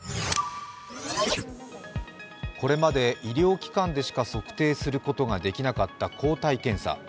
これまで医療機関でしか測定することができなかった抗体検査。